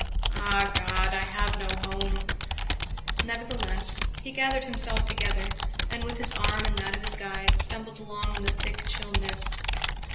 Ah, God, I have no home!" Nevertheless, he gathered himself together, and with his arm in that of his guide, stumbled along in the thick, chill mist.